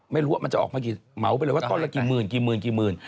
ไม่รู้ว่ามันจะออกมากี่เมาไปเลยว่าต้นละกี่หมื่น